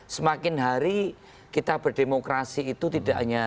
semakin hari kita berdemokrasi itu tidak hanya